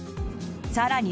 さらに